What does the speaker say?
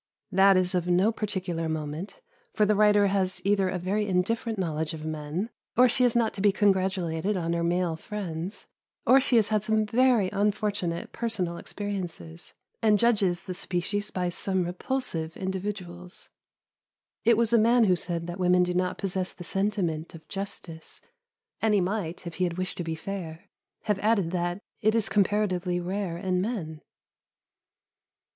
That is of no particular moment, for the writer has either a very indifferent knowledge of men, or she is not to be congratulated on her male friends, or she has had some very unfortunate personal experiences, and judges the species by some repulsive individuals. It was a man who said that women do not possess the sentiment of justice, and he might, if he had wished to be fair, have added that it is comparatively rare in men.